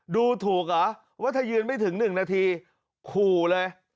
ดูถูกเหรอว่าถ้ายืนไม่ถึง๑นาทีขู่เลย